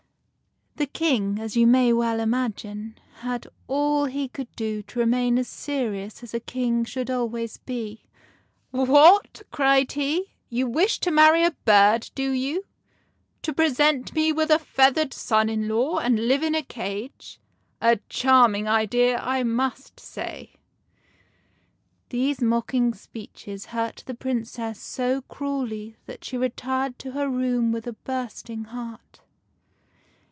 The King, as you may well imagine, had all he could do to remain as serious as a King should always be. " What !" cried he: "you wish to marry a bird, do you ? to present me with a feathered son in law, and live in a cage ? A charming idea, I must say !" These mocking speeches hurt the Princess so cruelly that she retired to her room with a bursting heart.